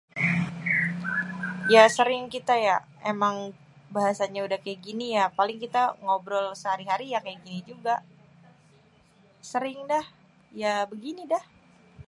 Ya sering kita ya, emang bahasanya udah kayak gini ya, paling kita ngobrol sehari-sehari ya kayak gini juga. Sering dah, ya begini dah.